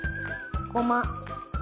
ごま。